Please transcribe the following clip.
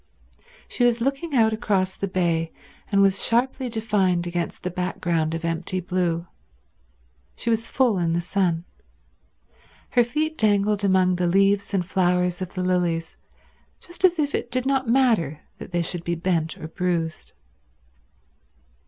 She was looking out across the bay, and was sharply defined against the background of empty blue. She was full in the sun. Her feet dangled among the leaves and flowers of the lilies just as if it did not matter that they should be bent or bruised.